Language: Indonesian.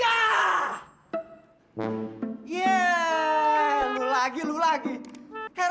jadi kamu memang pengen masuk tempat pemaus